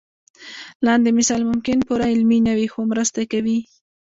لاندې مثال ممکن پوره علمي نه وي خو مرسته کوي.